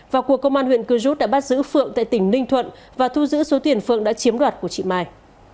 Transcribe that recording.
và cuộc công an huyện cư rút đã bắt giữ phượng tại tỉnh ninh thuận và thu giữ số tiền phượng đã chiếm đoạt của chị mai